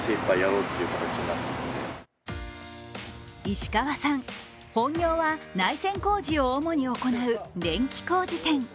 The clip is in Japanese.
石川さん、本業は内線工事を主に行う電気工事店。